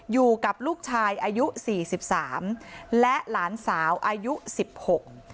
อยู่กับลูกชายอายุสี่สิบสามและหลานสาวอายุสิบหก